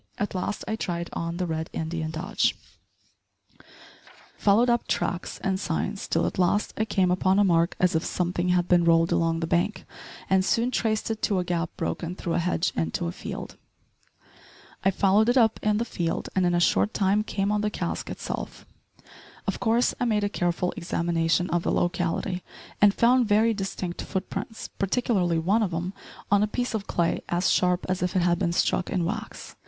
At last I tried on the Red Indian dodge followed up tracks and signs, till at last I came upon a mark as if somethin' had bin rolled along the bank, and soon traced it to a gap broken through a hedge into a field. I followed it up in the field, and in a short time came on the cask itself. Of course I made a careful examination of the locality, and found very distinct foot prints, particularly one of 'em on a piece of clay as sharp as if it had been struck in wax.